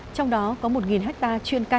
trong đó có một ha